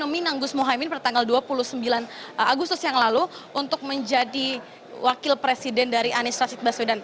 meminang gus mohaimin pada tanggal dua puluh sembilan agustus yang lalu untuk menjadi wakil presiden dari anies rashid baswedan